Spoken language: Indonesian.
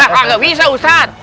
wah agak bisa ustadz